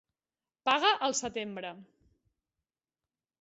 Paga al setembre.